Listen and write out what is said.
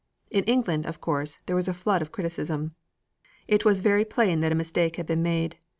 In England, of course, there was a flood of criticism. It was very plain that a mistake had been made.